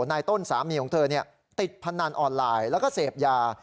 นายต้นสามีของเธอติดพนันออนไลน์แล้วก็เสพยา